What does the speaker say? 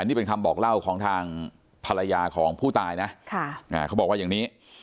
นี่เป็นคำบอกเล่าของทางภรรยาของผู้ตายนะเขาบอกว่าอย่างนี้